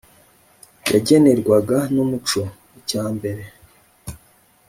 yagenerwaga n’umuco. Icya mbere